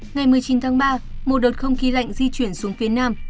ngày một mươi chín tháng ba một đợt không khí lạnh di chuyển xuống phía nam